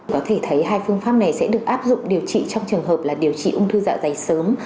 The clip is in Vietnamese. có thể thấy hai phương pháp này sẽ được áp dụng điều trị trong trường hợp là điều trị ung thư dạ dày sớm